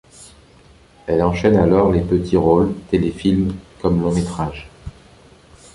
Elle enchaîne alors les petits rôles, téléfilms comme longs-métrages.